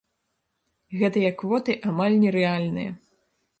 Гэтыя квоты амаль нерэальныя.